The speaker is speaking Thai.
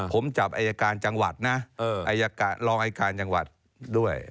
ผมจับอายการจังหวัดนะรองอายการจังหวัดด้วย